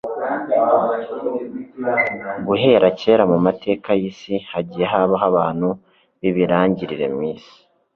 Guhera kera mu mateka y'isi, hagiye habaho abantu b'ibirangirire mu isi,